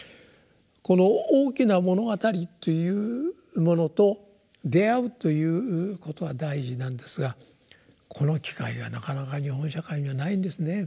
この「大きな物語」っていうものとであうということは大事なんですがこの機会がなかなか日本社会にはないんですね。